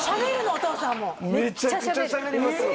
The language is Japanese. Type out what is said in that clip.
お父さんもめちゃくちゃしゃべりますよ